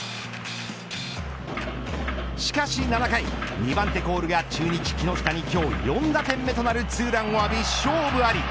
しかし７回２番手コールが、中日、木下に今日４打点目となるツーランを浴び勝負あり。